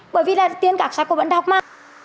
bởi vì là tiền cạc sách của bản đọc mà